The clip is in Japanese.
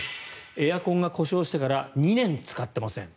エアコンが故障してから２年使っていません